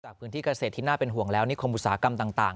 พื้นที่เกษตรที่น่าเป็นห่วงแล้วนิคมอุตสาหกรรมต่าง